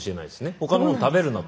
他のもの食べるなと。